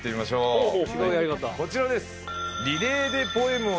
こちらです。